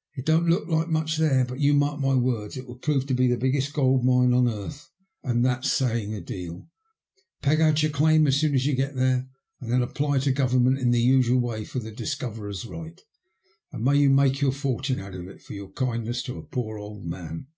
" It don't look much there; but you mark my words, it will prove to be the biggest gold mine on earth, and that's saying a deal ! Peg out your claim as soon as you get there, and then apply to Government in the usual way for the Discoverer's Bight. And may you make your fortune out of it for your kindness to a poor old man."